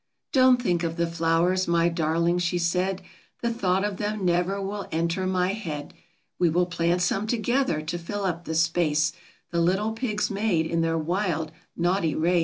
44 Don't think of the flowers, my darling," she said, 44 The thought of them never will enter my head. We will plant some together, to fill up the space The little pigs made in their wild, naughty race.